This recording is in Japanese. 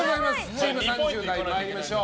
チーム３０代まいりましょう。